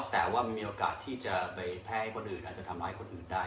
แต่ว่ามีโอกาสที่จะไปแพร่ให้คนอื่นอาจจะทำร้ายคนอื่นได้